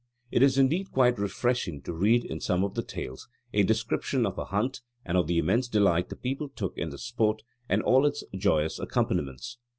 It is indeed quite refreshing to read in some of the tales a description of a hunt and of the immense delight the people took in the sport and all its joyous accompaniments.